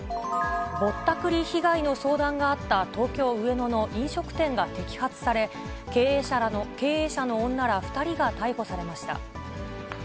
ぼったくり被害の相談があった東京・上野の飲食店が摘発され、経営者の女ら２人が逮捕されました。